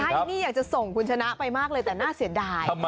ใช่นี่อยากจะส่งคุณชนะไปมากเลยแต่น่าเสียดาย